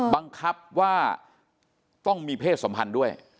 บังคับว่าต้องมีเพศสัมพันธ์ด้วย